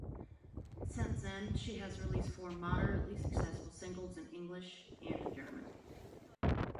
Since then she has released four moderately successful singles in English and in German.